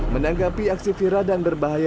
menanggapi aksi viral dan berbahaya